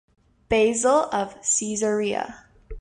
Basil of Caesarea.